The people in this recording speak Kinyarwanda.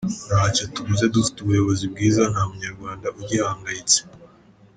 Ntacyo tubuze dufite ubuyobozi bwiza, nta munyarwanda ugihangayitse.